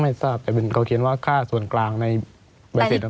ไม่ทราบแต่เขาเขียนว่าค่าส่วนกลางในใบเสร็จ